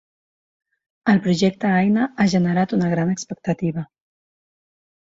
El projecte Aina ha generat una gran expectativa.